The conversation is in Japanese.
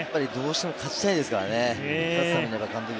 どうしても勝ちたいですからね。